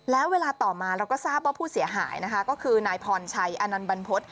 แล้วเวลาต่อมาเราก็ทราบว่าผู้เสียหายนะคะก็คือนายพรชัยอนันต์บรรพฤษ